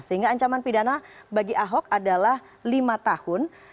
sehingga ancaman pidana bagi ahok adalah lima tahun